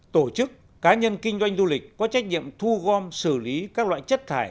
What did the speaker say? tổ chức cá nhân kinh doanh du lịch có trách nhiệm thu gom xử lý các loại chất thải